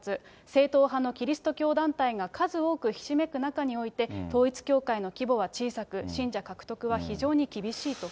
正統派のキリスト教団体が数多くひしめく中において、統一教会の規模は小さく、信者獲得は非常に厳しいと。